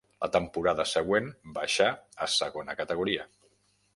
La temporada següent baixà a segona categoria.